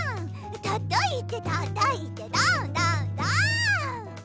たたいてたたいてどんどんどん！